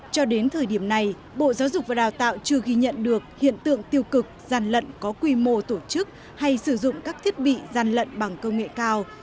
cho đến thời điểm này bộ giáo dục và đào tạo chưa ghi nhận được hiện tượng tiêu cực gian lận có quy mô tổ chức hay sử dụng các thiết bị gian lận bằng công nghệ cao